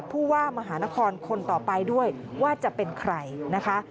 ผู้ว่ามหานครคนต่อไปด้วยว่าจะเป็นใครนะคะ